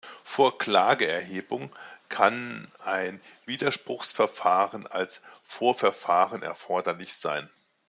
Vor Klageerhebung kann ein Widerspruchsverfahren als Vorverfahren erforderlich sein.